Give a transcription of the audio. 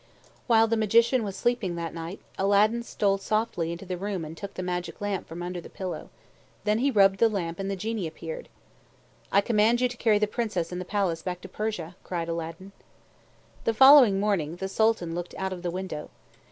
While the Magician was sleeping that night, Aladdin stole softly into the room and took the magic lamp from under the pillow. Then he rubbed the lamp and the Genie appeared. "I command you to carry the Princess and the palace back to Persia," cried Aladdin. The following morning, the Sultan looked out of the window.